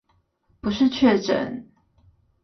不是確診